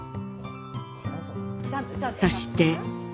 そして。